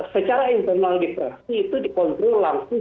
secara internal di fraksi itu dikontrol langsung